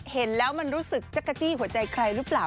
เห็นแล้วมันรู้สึกจักรจี้หัวใจใครหรือเปล่า